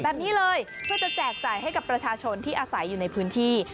แบบนี้เลยเพื่อจะแจกจ่ายให้กับประชาชนที่อาศัยอยู่ในพื้นที่